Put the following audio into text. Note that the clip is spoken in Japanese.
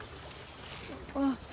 あ。